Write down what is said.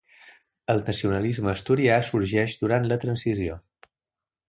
El nacionalisme asturià sorgeix durant la Transició.